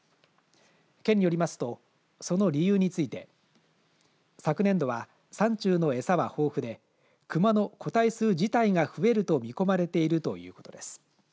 県によりますとその理由について昨年度は山中の餌は豊富で熊の個体数自体が増えると見込まれているということです。